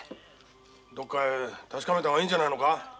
どっかへ確かめた方がいいんじゃないのか。